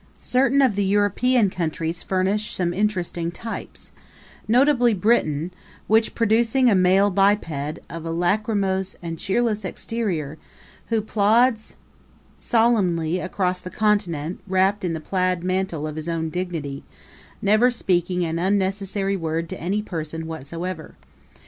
Certain of the European countries furnish some interesting types notably Britain, which producing a male biped of a lachrymose and cheerless exterior, who plods solemnly across the Continent wrapped in the plaid mantle of his own dignity, never speaking an unnecessary word to any person whatsoever.